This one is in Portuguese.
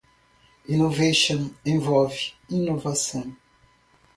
Innovation envolve inovação.